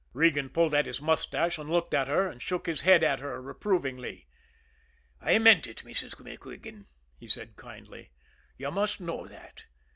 Regan pulled at his mustache and looked at her and shook his head at her reprovingly. "I meant it, Mrs. MacQuigan," he said kindly. "You must know that.